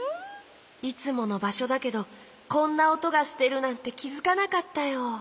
いつものばしょだけどこんなおとがしてるなんてきづかなかったよ。